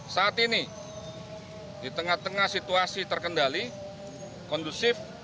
saat ini di tengah tengah situasi terkendali kondusif